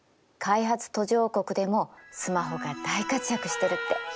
開発途上国でもスマホが大活躍してるって。